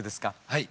はい。